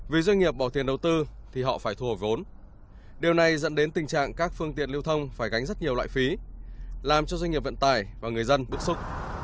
vì doanh nghiệp bỏ tiền đầu tư thì họ phải thu hồi vốn điều này dẫn đến tình trạng các phương tiện lưu thông phải gánh rất nhiều loại phí làm cho doanh nghiệp vận tải và người dân bức xúc